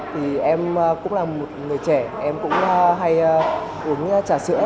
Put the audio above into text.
thì em cũng là một người trẻ em cũng hay uống trà sữa